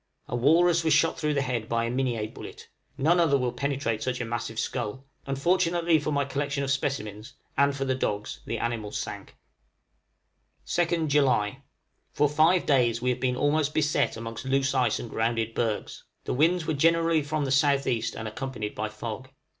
A walrus was shot through the head by a Minié bullet; none other will penetrate such a massive skull: unfortunately for my collection of specimens, and for the dogs, the animal sank. {JULY, 1858.} {DAMAGE FROM ICE.} 2d July. For five days we have been almost beset amongst loose ice and grounded bergs; the winds were generally from the S.E. and accompanied by fog.